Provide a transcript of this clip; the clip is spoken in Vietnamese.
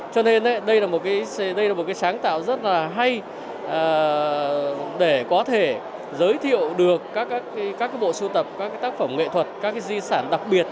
cho nên đây là một sáng tạo rất hay để có thể giới thiệu được các bộ sưu tập các tác phẩm